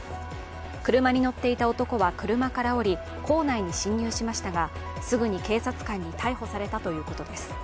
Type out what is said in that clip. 車に乗っていた男は車から降り校内に侵入しましたが、すぐに警察官に逮捕されたということです。